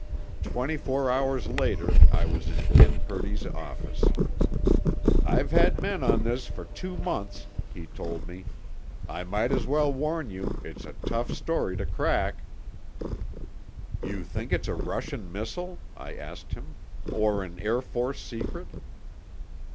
Twenty four hours later, I was in Ken Purdy's office. "I've had men on this for two months," he told me. "I might as well warn you, it's a tough story to crack." "You think it's a Russian missile?" I asked him. "Or an Air Force secret?"